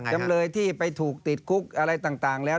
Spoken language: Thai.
จำเลยที่ไปถูกติดคุกอะไรต่างแล้ว